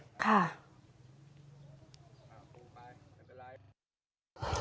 สายไป